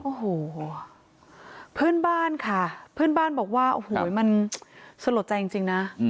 โอ้โหเพื่อนบ้านค่ะเพื่อนบ้านบอกว่าโอ้โหมันสลดใจจริงนะ